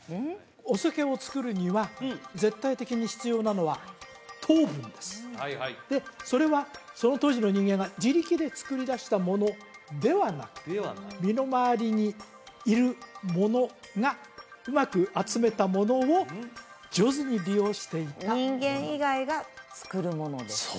お酒をつくるには絶対的に必要なのはそれはその当時の人間が自力でつくりだしたものではなく身の回りにいるものがうまく集めたものを上手に利用していた人間以外がつくるものですか？